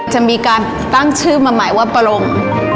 จะมีการตั้งชื่อมาหมายว่าปรง